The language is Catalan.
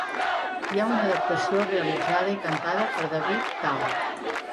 Hi ha una adaptació realitzada i cantada per David Tao.